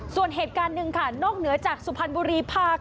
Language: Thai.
ส่วนเหตุการณ์หนึ่งค่ะนอกเหนือจากสุพรรณบุรีภาค